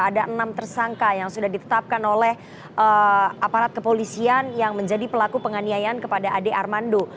ada enam tersangka yang sudah ditetapkan oleh aparat kepolisian yang menjadi pelaku penganiayaan kepada ade armando